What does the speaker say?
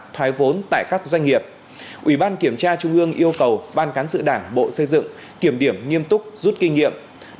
thoái vốn tại các doanh nghiệp ủy ban kiểm tra trung ương yêu cầu ban cán sự đảng bộ xây dựng kiểm điểm nghiêm túc rút kinh nghiệm